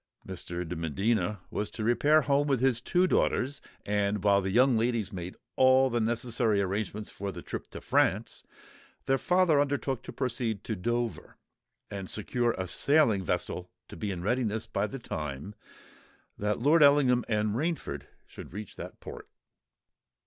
Mr. de Medina was to repair home with his two daughters: and while the young ladies made all the necessary arrangements for the trip to France, their father undertook to proceed to Dover, and secure a sailing vessel to be in readiness by the time that Lord Ellingham and Rainford should reach that port.